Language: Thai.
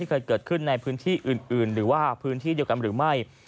เคยเกิดขึ้นในพื้นที่อื่นหรือว่าพื้นที่เดียวกันหรือไม่